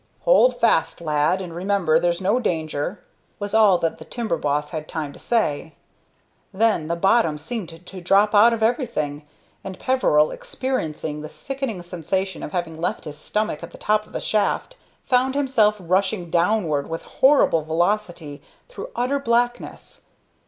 "Hold fast, lad, and remember there's no danger," was all that the timber boss had time to say. Then the bottom seemed to drop out of everything, and Peveril, experiencing the sickening sensation of having left his stomach at the top of the shaft, found himself rushing downward with horrible velocity through utter blackness.